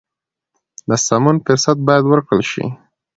د سمون فرصت باید ورکړل شي.